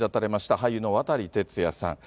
俳優の渡哲也さん。